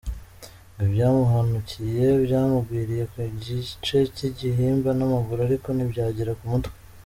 Ngo ibyamuhanukiye byamugwiriye ku gice cy’igihimba n’amaguru ariko ntibyagera ku mutwe.